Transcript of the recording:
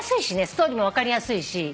ストーリーも分かりやすいし。